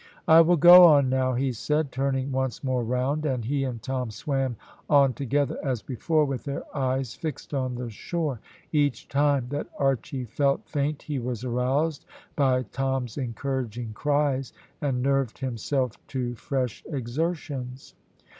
"I will go on now," he said, turning once more round, and he and Tom swam on together as before, with their eyes fixed on the shore. Each time that Archy felt faint he was aroused by Tom's encouraging cries, and nerved himself to fresh exertions.